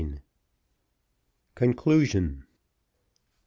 CONCLUSION.